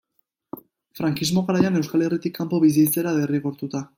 Frankismo garaian Euskal Herritik kanpo bizitzera derrigortuta.